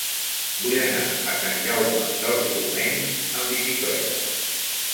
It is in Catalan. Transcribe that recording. Vull anar a Sant Jaume dels Domenys amb bicicleta.